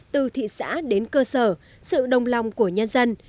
từ thị xã đến cơ sở sự đồng lòng của nhân dân